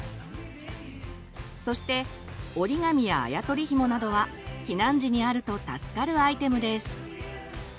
そして折り紙やあや取りひもなどは避難時にあると助かるアイテムです。